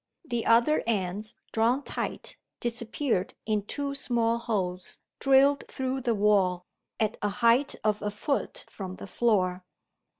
The other ends, drawn tight, disappeared in two small holes drilled through the wall, at a height of a foot from the floor.